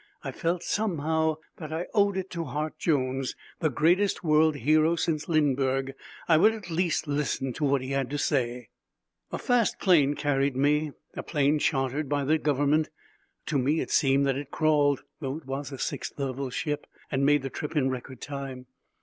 I felt somehow that I owed it to Hart Jones, the greatest world hero since Lindbergh. I would at least listen to what he had to say. A fast plane carried me, a plane chartered by the government. To me it seemed that it crawled, though it was a sixth level ship, and made the trip in record time.